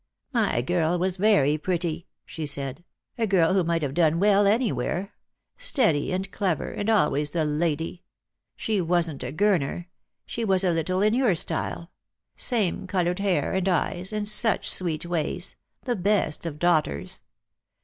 "My girl was very pretty," she said; "a' girl who might have done well anywhere — steady and clever, and always the lady. She wasn't a Gurner. She was a little in your style ; same coloured hair and eyes, and such sweet ways, the best of daughters.